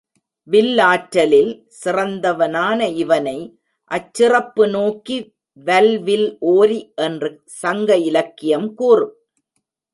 வில்லாற்றலில் சிறந்தவனான இவனை, அச்சிறப்பு நோக்கி வல்வில் ஓரி என்று சங்க இலக்கியம் கூறும்.